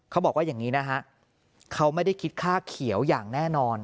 เขาบอกว่าอย่างนี้นะฮะเขาไม่ได้คิดค่าเขียวอย่างแน่นอน